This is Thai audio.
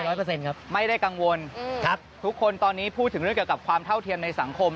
เปอร์เซ็นต์ครับไม่ได้กังวลครับทุกคนตอนนี้พูดถึงเรื่องเกี่ยวกับความเท่าเทียมในสังคม